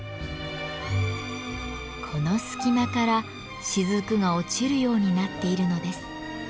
この隙間から滴が落ちるようになっているのです。